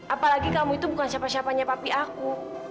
apalagi kamu itu bukan siapa siapanya tapi aku